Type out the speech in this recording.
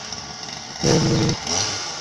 না কি আইনজীবী?